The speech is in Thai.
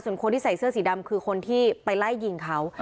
ส่วนคนที่ใส่เสื้อสีดำคือคนที่ไปไล่ยิงเขา